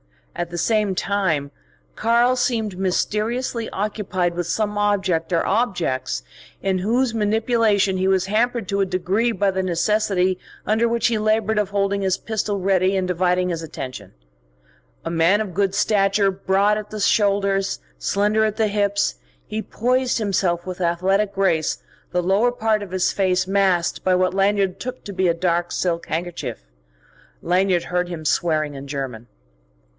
At the same time, "Karl" seemed mysteriously occupied with some object or objects in whose manipulation he was hampered to a degree by the necessity under which he laboured of holding his pistol ready and dividing his attention. A man of good stature, broad at the shoulders, slender at the hips, he poised himself with athletic grace the lower part of his face masked by what Lanyard took to be a dark silk handkerchief. Lanyard heard him swearing in German.